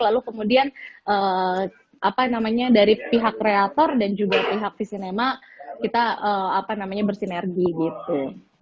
lalu kemudian apa namanya dari pihak kreator dan juga pihak vision nema kita apa namanya bersinergi gitu